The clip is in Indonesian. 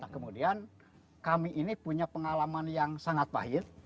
kemudian kami ini punya pengalaman yang sangat pahit